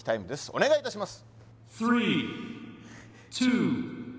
お願いいたします